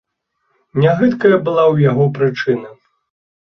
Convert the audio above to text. Не гэтакая была ў яго прычына.